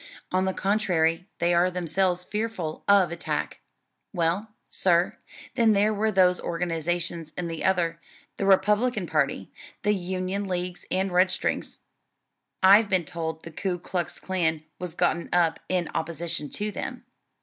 On the contrary they are themselves fearful of attack." "Well, sir, then there were those organizations in the other the Republican party; the Union Leagues and Redstrings. I've been told the Ku Klux Klan was gotten up in opposition to them."